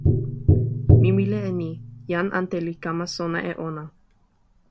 mi wile e ni: jan ante li kama sona e ona.